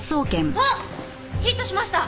あっヒットしました！